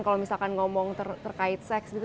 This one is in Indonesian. kalau misalkan ngomong terkait seks gitu